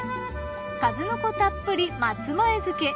数の子たっぷり松前漬。